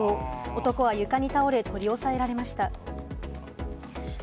男は床に倒れ、取り押さえられました。